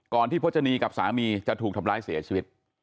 ที่พจนีกับสามีจะถูกทำร้ายเสียชีวิต